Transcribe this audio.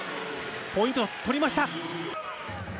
ポイント取りました。